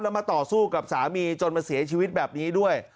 แล้วมาต่อสู้กับสามีจนมาเสียชีวิตแบบนี้ด้วย